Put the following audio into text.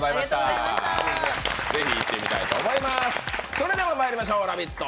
それではまいりましょう、「ラヴィット！」